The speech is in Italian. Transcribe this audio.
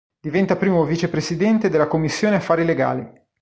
Diventa primo vicepresidente della commissione affari legali.